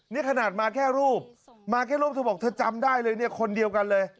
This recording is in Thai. นี่ขนาดมาแค่รูปมาแค่รูปเธอบอกเธอจำได้เลยเนี่ยคนเดียวกันเลย